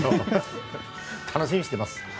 楽しみにしています。